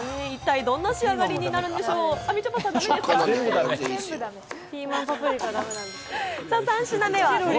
一体どんな仕上がりになるんでしょう？